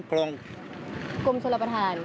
กรมชลประธาน